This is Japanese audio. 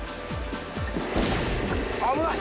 危ない！